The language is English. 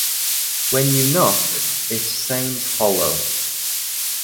When you knock, it sounds hollow.